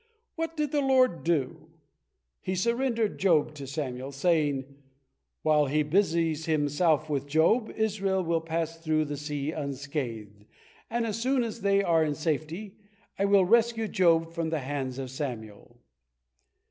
What did the Lord do? He surrendered Job to Samael, saying, "While he busies himself with Job, Israel will pass through the sea unscathed, and as soon as they are in safety, I will rescue Job from the hands of Samael."